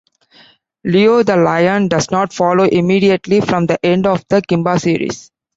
"Leo the Lion" does not follow immediately from the end of the Kimba series.